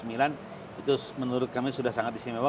itu menurut kami sudah sangat istimewa